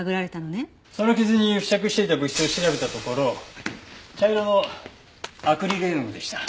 その傷に付着していた物質を調べたところ茶色のアクリル絵の具でした。